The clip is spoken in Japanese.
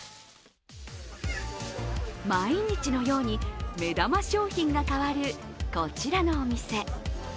毎日のように目玉商品が変わる、こちらのお店。